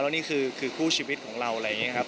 นี่คือคู่ชีวิตของเราอะไรอย่างนี้ครับ